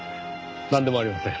なんでもありません。